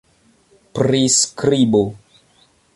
priskribo